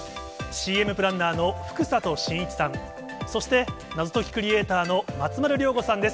ＣＭプランナーの福里真一さん、そして、謎解きクリエーターの松丸亮吾さんです。